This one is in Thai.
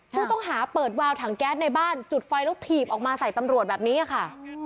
ผู้ต้องหาเปิดวาวถังแก๊สในบ้านจุดไฟแล้วถีบออกมาใส่ตำรวจแบบนี้ค่ะ